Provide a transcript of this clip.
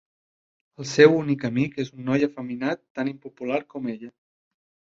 El seu únic amic és un noi efeminat tan impopular com ella.